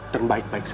dan baik baik saja